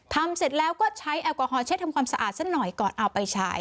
เสร็จแล้วก็ใช้แอลกอฮอลเช็ดทำความสะอาดสักหน่อยก่อนเอาไปใช้